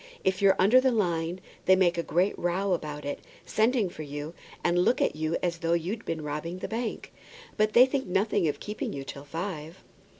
"If you're under the line, they make a great row about it, send for you, and look at you as though you'd been robbing the bank; but they think nothing of keeping you till five."